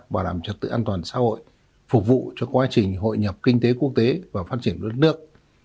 và làm trật tự an toàn xã hội phục vụ cho quá trình hội nhập kinh tế quốc tế và phát triển nước nước